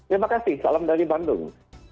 terima kasih salam dari bandung